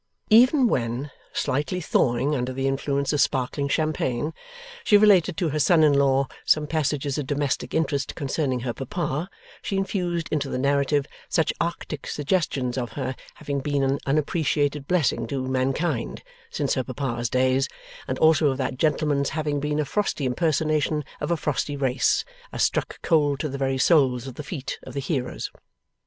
Even when, slightly thawing under the influence of sparkling champagne, she related to her son in law some passages of domestic interest concerning her papa, she infused into the narrative such Arctic suggestions of her having been an unappreciated blessing to mankind, since her papa's days, and also of that gentleman's having been a frosty impersonation of a frosty race, as struck cold to the very soles of the feet of the hearers.